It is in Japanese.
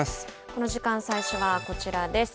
この時間、最初はこちらです。